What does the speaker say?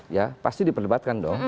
ya pasti diperdebatkan dong